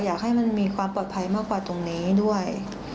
อยากให้มันมีความปลอดภัยมากกว่าตรงนี้ด้วย